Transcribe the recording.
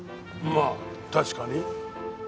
まあ確かに。